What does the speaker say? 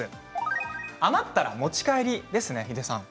余ったら持ち帰りですね。